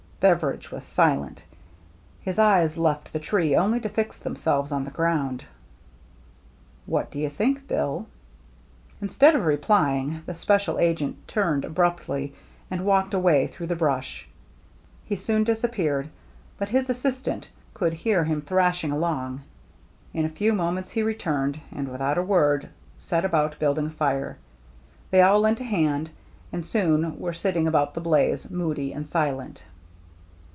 Beveridge was silent. His eyes left the tree only to fix themselves on the ground. "What do you think. Bill?" Instead of replying, the special agent THE GINGHAM DRESS 267 turned abraptly and walked away through the brush. He soon disappeared, but his as sistant could hear him thrashing along. In a few moments he returned, and without a word set about building a fire. They all lent a hand, and soon were sitting around the blaze, moody and silent.